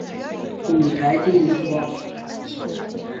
五台金银花